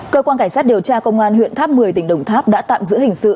cơ quan cảnh sát điều tra công an huyện tháp một mươi tỉnh đồng tháp đã tạm giữ hình sự